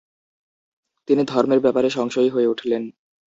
তিনি ধর্মের ব্যাপারে সংশয়ী হয়ে উঠলেন।